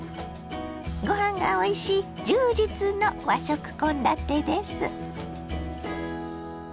ごはんがおいしい充実の和食献立です。